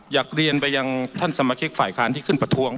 เชิญอธิบายมาประทวง